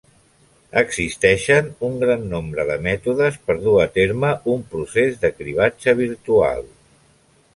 Existeixen un gran nombre de mètodes per dur a terme un procés de cribratge virtual.